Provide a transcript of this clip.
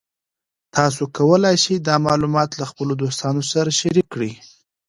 تاسو کولی شئ دا معلومات له خپلو دوستانو سره شریک کړئ.